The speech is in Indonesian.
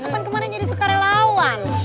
kan kemarin jadi sukarelawan